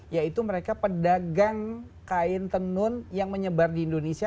yaitu mereka pedagang kain tenun yang menyebar di indonesia